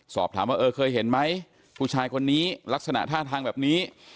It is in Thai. สอบถามว่าเออเคยเห็นไหมผู้ชายคนนี้ลักษณะท่าทางแบบนี้